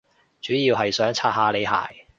主要係想刷下你鞋